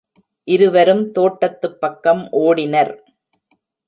இருவரும் தோட்டத்துப் பக்கம் ஓடினர்.